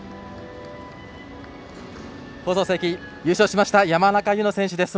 放送席、優勝しました山中柚乃選手です。